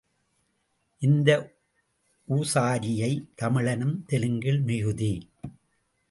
இந்த உ சாரியை, தமிழினும் தெலுங்கில் மிகுதி.